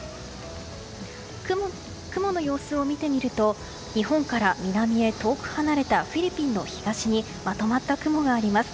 雲の様子を見てみると日本から南へ遠く離れたフィリピンの東にまとまった雲があります。